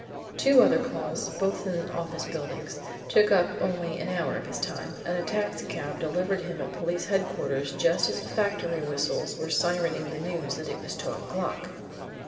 Two other calls both in office buildings took up only an hour of his time, and a taxicab delivered him at Police Headquarters just as the factory whistles were sirening the news that it was twelve o'clock.